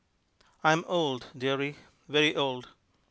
I am old, dearie, very old.